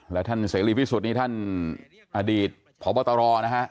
แล้วท่านเสรีพิสุทธิ์นี่ท่านอดีตพบตรนะฮะ